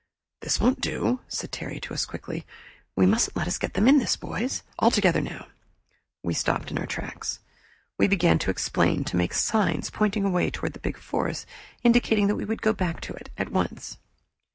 "This won't do!" said Terry to us, quickly. "We mustn't let them get us in this, boys. All together, now " We stopped in our tracks. We began to explain, to make signs pointing away toward the big forest indicating that we would go back to it at once.